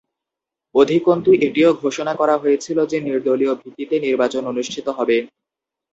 অধিকন্তু এটিও ঘোষণা করা হয়েছিল যে নির্দলীয় ভিত্তিতে নির্বাচন অনুষ্ঠিত হবে।